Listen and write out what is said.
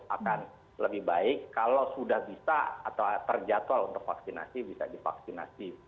akan lebih baik kalau sudah bisa atau terjatuh untuk vaksinasi bisa divaksinasi